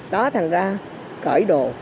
đó thành ra cởi đồ